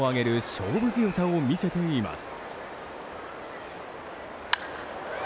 勝負強さを見せています。